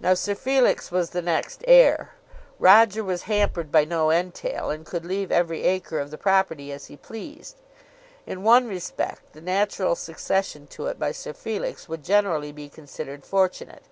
Now Sir Felix was the next heir. Roger was hampered by no entail, and could leave every acre of the property as he pleased. In one respect the natural succession to it by Sir Felix would generally be considered fortunate.